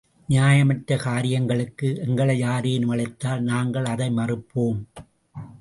நியாயமற்ற காரியங்களுக்கு எங்களை யாரேனும் அழைத்தால் நாங்கள் அதை மறுப்போம்.